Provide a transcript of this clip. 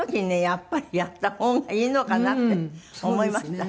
やっぱりやった方がいいのかなって思いました。